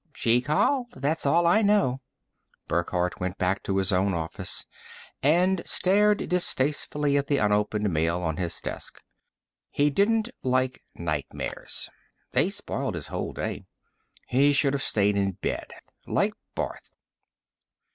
"She called, that's all I know." Burckhardt went back to his own office and stared distastefully at the unopened mail on his desk. He didn't like nightmares; they spoiled his whole day. He should have stayed in bed, like Barth.